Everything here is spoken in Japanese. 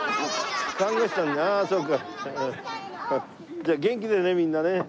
じゃあ元気でねみんなね。